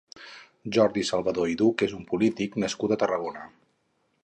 Jordi Salvador i Duch és un polític nascut a Tarragona.